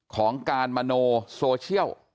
ของการมโนโซเชียล